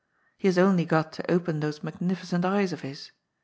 He has only got to open those magnificent eyes of his.